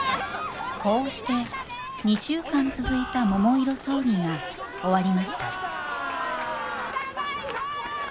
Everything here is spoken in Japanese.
こうして２週間続いた桃色争議が終わりましたただいま！